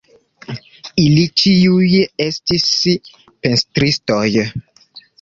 Ili ĉiuj estis pentristoj.